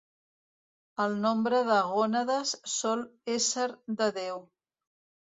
El nombre de gònades sol ésser de deu.